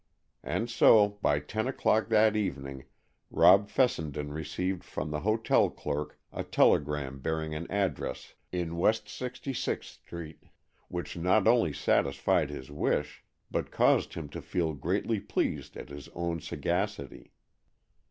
And so, by ten o'clock that evening, Rob Fessenden received from the hotel clerk a telegram bearing an address in West Sixty sixth Street, which not only satisfied his wish, but caused him to feel greatly pleased at his own sagacity.